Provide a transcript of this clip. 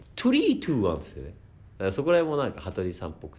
そこら辺も何か羽鳥さんっぽくて。